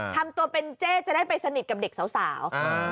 ทำตัวเป็นเจ๊จะได้ไปสนิทกับเด็กสาว